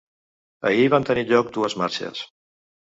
Ahir van tenir lloc dues marxes.